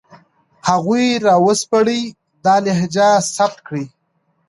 هغوی را وسپړئ، دا لهجې ثبت کړئ